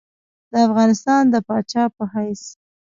د افغانستان د پاچا په حیث.